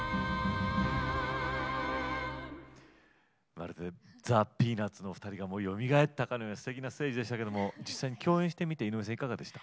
まるでザ・ピーナッツのお二人がよみがえったかのようなすてきなステージでしたけども実際に共演してみて井上さんいかがでした？